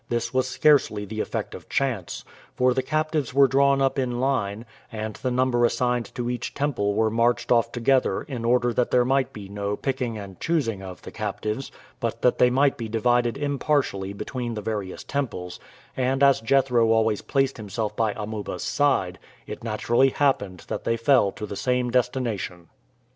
This was scarcely the effect of chance, for the captives were drawn up in line, and the number assigned to each temple were marched off together in order that there might be no picking and choosing of the captives, but that they might be divided impartially between the various temples, and as Jethro always placed himself by Amuba's side, it naturally happened that they fell to the same destination.